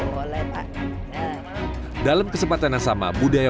ppp adalahasi yang lebih ramah dari